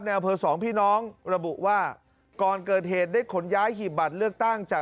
อำเภอสองพี่น้องระบุว่าก่อนเกิดเหตุได้ขนย้ายหีบบัตรเลือกตั้งจาก